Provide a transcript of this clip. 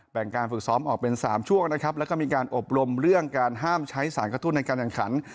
การฝึกซ้อมออกเป็น๓ช่วงนะครับแล้วก็มีการอบรมเรื่องการห้ามใช้สารกระตุ้นในการแข่งขัน